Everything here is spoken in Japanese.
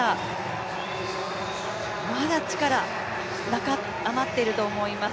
まだ力、余ってると思います